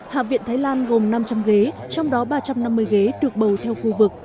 hạ viện thái lan gồm năm trăm linh ghế trong đó ba trăm năm mươi ghế được bầu theo khu vực